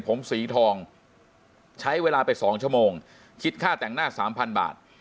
ผมสีทองใช้เวลาไป๒ชั่วโมงคิดค่าแต่งหน้าสามพันบาท